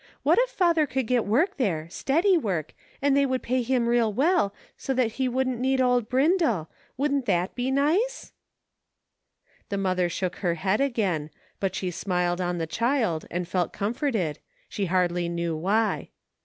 What if "march ! I SAID." 21 father could get work there; steady work, and they would pay him real well, so that he wouldn't need old Brindle. Wouldn't that be nice ?" The mother shook her head again, but she smiled on the child, and felt comforted, she hardly knew why.